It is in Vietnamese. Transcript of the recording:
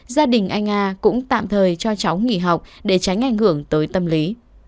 gia đình anh a cũng tạm thời cho cháu nghỉ học để tránh ảnh hưởng tới tâm lý